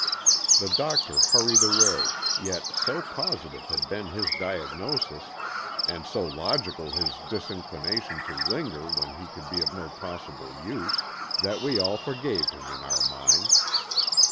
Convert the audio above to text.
The Doctor hurried away, yet so positive had been his diagnosis, and so logical his disinclination to linger when he could be of no possible use, that we all forgave him in our minds.